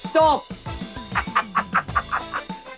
จบ